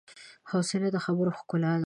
حوصله د خبرو ښکلا ده.